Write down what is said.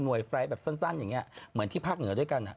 ไฟล์ทแบบสั้นอย่างนี้เหมือนที่ภาคเหนือด้วยกัน